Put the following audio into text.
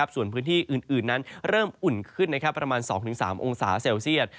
ส่วนพื้นที่อื่นนั้นเริ่มอุ่นขึ้นประมาณ๒๓องศาเซลเซียต